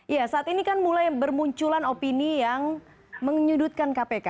ya saat ini kan mulai bermunculan opini yang menyudutkan kpk